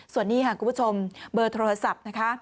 ส่วนนี้ค่ะคุณผู้ชมเบอร์โทรศัพท์นะคะ